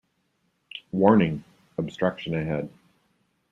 Warning! Obstruction ahead.